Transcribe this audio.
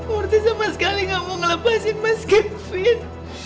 ngerti sama sekali gak mau ngelepasin mas kevin